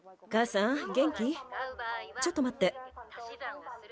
ちょっとまって。